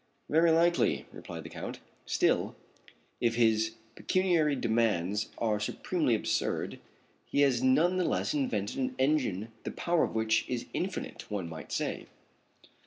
"Very likely," replied the Count, "still, if his pecuniary demands are supremely absurd, he has none the less invented an engine the power of which is infinite, one might say."